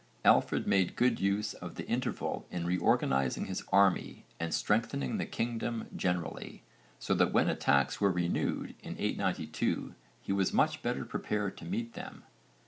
Alfred made good use of the interval in reorganising his army and strengthening the kingdom generally, so that when attacks were renewed in 892 he was much better prepared to meet them.